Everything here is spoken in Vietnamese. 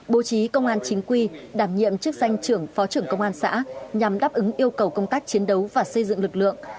bố trí công an chính quy đảm nhiệm chức danh trưởng phó trưởng công an xã nhằm đáp ứng yêu cầu công tác chiến đấu và xây dựng lực lượng